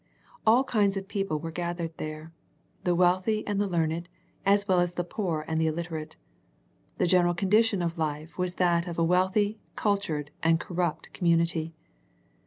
All kinds of people were gathered there, the wealthy and the learned, as well as the poor and the illiterate. The general condition of life was that of a wealthy, cultured, and cor rupt community.